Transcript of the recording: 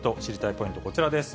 ポイント、こちらです。